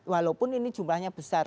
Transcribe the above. walaupun ini jumlahnya besar